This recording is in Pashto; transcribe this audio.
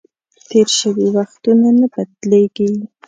تېر شوي وختونه نه بدلیږي .